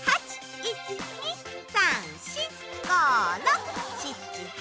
１・２・３・４５・６・７・８！